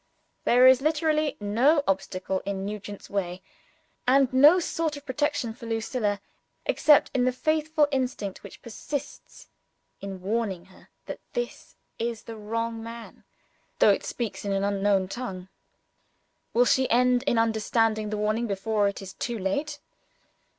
There is literally no obstacle in Nugent's way and no sort of protection for Lucilla, except in the faithful instinct which persists in warning her that this is the wrong man though it speaks in an unknown tongue. Will she end in understanding the warning before it is too late?